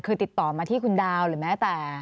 คือติดต่อมาที่คุณดาวหรือแม้แต่